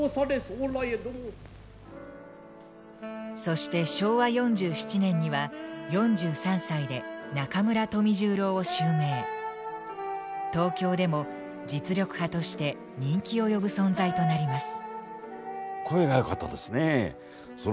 そして昭和４７年には東京でも実力派として人気を呼ぶ存在となります。